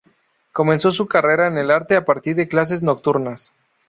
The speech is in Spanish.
Comenzó su carrera en el arte a partir de clases nocturnas.